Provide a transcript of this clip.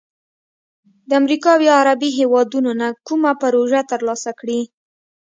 د امریکا او یا عربي هیوادونو نه کومه پروژه تر لاسه کړي،